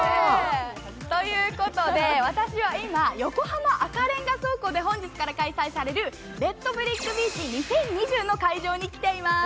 ということで、私は今、横浜赤レンガ倉庫で本日から開催されるレッド・ブレック・ビーチ２０２２の会場に来ています。